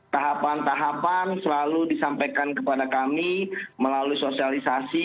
tahapan tahapan selalu disampaikan kepada kami melalui sosialisasi